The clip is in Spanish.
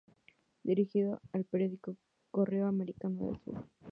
Dirigió el periódico "Correo Americano del Sur".